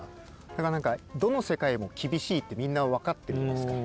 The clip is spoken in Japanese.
だから何かどの世界も厳しいってみんな分かってるじゃないですか。